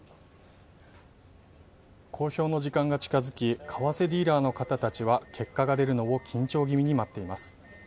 公表の時間が近づき為替ディーラーの方たちは結果が出るのを緊張気味に待っています。